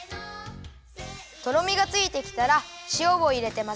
とろみがついてきたらしおをいれてまぜます。